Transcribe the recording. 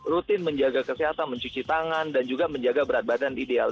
rutin menjaga kesehatan mencuci tangan dan juga menjaga berat badan ideal